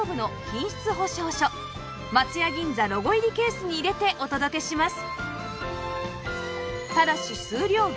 松屋銀座ロゴ入りケースに入れてお届けします